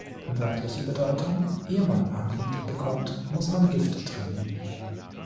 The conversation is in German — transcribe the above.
Wörtliche Bedeutung: ehe man Amrit bekommt, muss man Gift trinken.